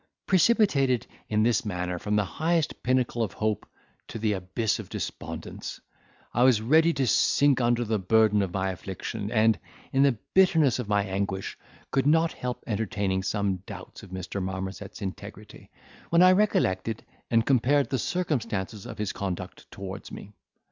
"Precipitated in this manner from the highest pinnacle of hope to the abyss of despondence, I was ready to sink under the burden of my affliction, and, in the bitterness of my anguish, could not help entertaining some doubts of Mr. Marmozet's integrity, when I recollected and compared the circumstances of his conduct towards me.